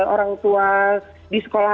orang tua di sekolah